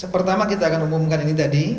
pertama kita akan umumkan ini tadi